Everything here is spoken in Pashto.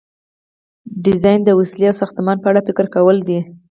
ډیزاین د وسیلې او ساختمان په اړه فکر کول دي.